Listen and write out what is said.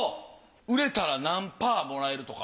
売れたら何パーもらえるとか？